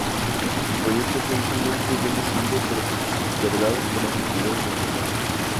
El proyecto fue inicialmente bien recibido, pero postergado por las autoridades del canal.